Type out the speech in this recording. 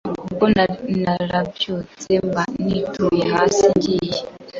Ubwo narabyutse mba nituye hasi ngiye